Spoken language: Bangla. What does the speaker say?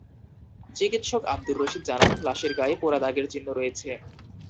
চিকিৎসক আবদুর রশীদ জানান, লাশের গায়ে পোড়া দাগের চিহ্ন রয়েছে।